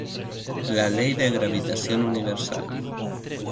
La ley de gravitación universal.